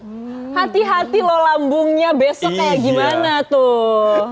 hati hati loh lambungnya besok kayak gimana tuh